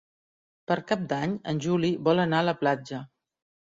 Per Cap d'Any en Juli vol anar a la platja.